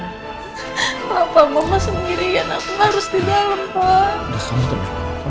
papa mama sendirian aku harus didalam pa